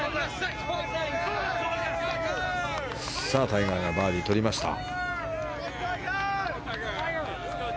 タイガーがバーディーをとりました。